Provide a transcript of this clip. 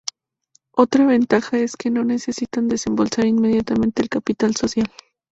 Otra ventaja es que no necesitan desembolsar inmediatamente el capital social.